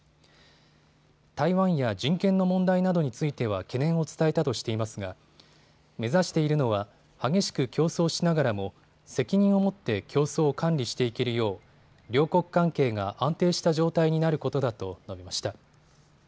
台湾や人権の問題などについては懸念を伝えたとしていますが目指しているのは激しく競争しながらも責任を持って競争を管理していけるよう両国関係が安定した状態になることだと述べました。